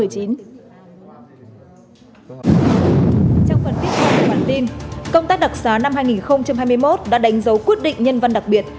trong phần tiếp theo của bản tin công tác đặc sá năm hai nghìn hai mươi một đã đánh dấu quyết định nhân văn đặc biệt